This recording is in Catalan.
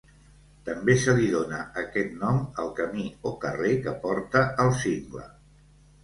També se li dóna aquest nom al camí o carrer que porta al cingle.